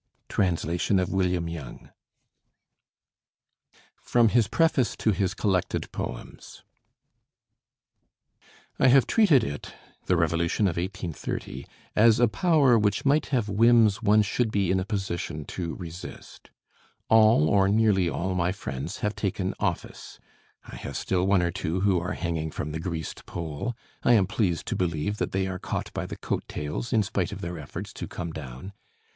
Translation of William Young. FROM HIS PREFACE TO HIS COLLECTED POEMS I have treated it [the revolution of 1830] as a power which might have whims one should be in a position to resist. All or nearly all my friends have taken office. I have still one or two who are hanging from the greased pole. I am pleased to believe that they are caught by the coat tails, in spite of their efforts to come down.